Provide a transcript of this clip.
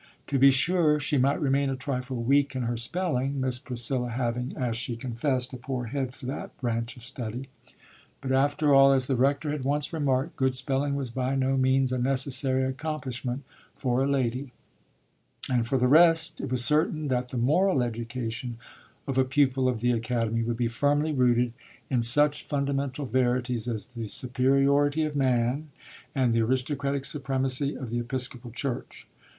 To be sure, she might remain a trifle weak in her spelling (Miss Priscilla having, as she confessed, a poor head for that branch of study), but, after all, as the rector had once remarked, good spelling was by no means a necessary accomplishment for a lady; and, for the rest, it was certain that the moral education of a pupil of the Academy would be firmly rooted in such fundamental verities as the superiority of man and the aristocratic supremacy of the Episcopal Church.